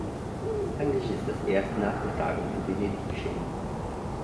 Eigentlich ist das erst nach der Tagung von Venedig geschehen.